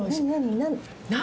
何？